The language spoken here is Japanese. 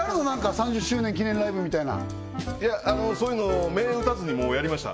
３０周年記念ライブみたいないやあのそういうの銘打たずにもうやりました